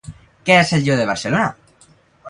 Què és el Lleó de Barcelona?